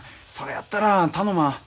それやったら頼ま。